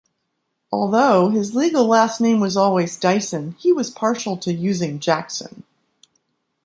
Although, his legal last name was always Dyson, he was partial to using Jackson.